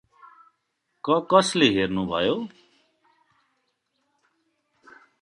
क-कसले हेर्नुभयो?